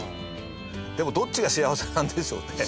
でもどっちが幸せなんでしょうね。